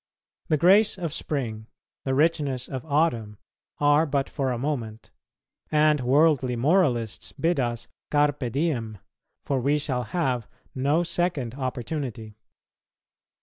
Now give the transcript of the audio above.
The grace of spring, the richness of autumn are but for a moment, and worldly moralists bid us Carpe diem, for we shall have no second opportunity.